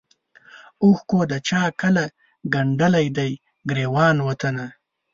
اوښکو د چا کله ګنډلی دی ګرېوان وطنه